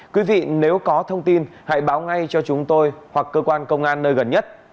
quý vị nếu có thông tin hãy báo ngay cho chúng tôi hoặc cơ quan công an nơi gần nhất